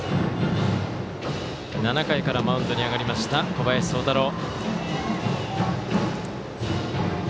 ７回からマウンドに上がりました小林聡太朗。